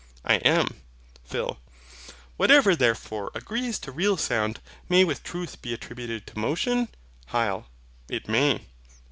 I am. PHIL. Whatever therefore agrees to real sound, may with truth be attributed to motion? HYL. It may.